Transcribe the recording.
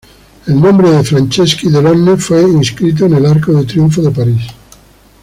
El nombre de Franceschi-Delonne fue inscrito en el Arco de Triunfo de París.